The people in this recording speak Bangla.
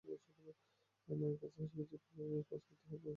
আমি মায়ের কাছ থেকেই শিখেছি কীভাবে কাজ করতে হয়, পরিশ্রম করতে হয়।